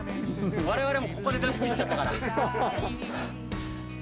我々もうここで出し切っちゃったから。